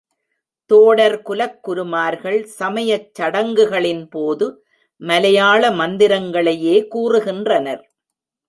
தோடர்குலக் குருமார்கள், சமயச் சடங்குகளின்போது, மலையாள மந்திரங்களையே கூறுகின்றனர்.